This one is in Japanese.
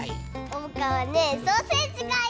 おうかはねソーセージがいい！